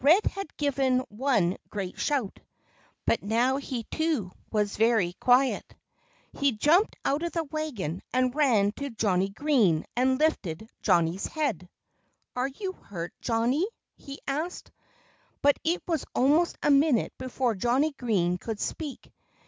Red had given one great shout. But now he too was very quiet. He jumped out of the wagon and ran to Johnnie Green, and lifted Johnnie's head. "Are you hurt, Johnnie?" he asked. But it was almost a minute before Johnnie Green could speak.